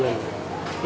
satu minggu ini